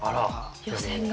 予選が。